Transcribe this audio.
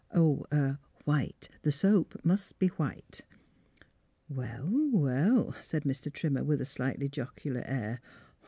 '' Er — white. The soap must be white." *' Well, well !'' said Mr. Trimmer, with a slightly jocular air.